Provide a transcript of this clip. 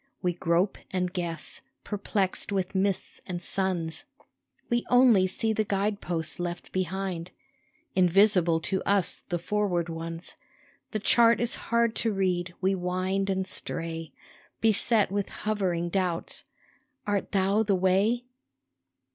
We grope and guess, perplexed with mists and suns ; We only see the guide posts left behind, Invisible to us the forward ones ; The chart is hard to read, we wind and stray, Beset with hovering doubts, Art Thou the way